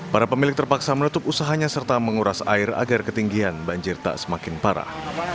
para pemilik terpaksa menutup usahanya serta menguras air agar ketinggian banjir tak semakin parah